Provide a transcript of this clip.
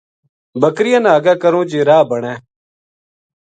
بکریاں نا اگے کروں جے راہ بنے